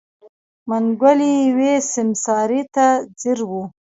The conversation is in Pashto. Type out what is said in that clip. منګلی يوې سيمسارې ته ځير و.